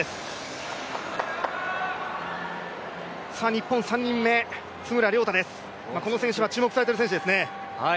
日本３人目、津村涼太です、注目されている選手ですね。